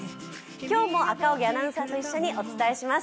今日も赤荻アナウンサーと一緒にお伝えします。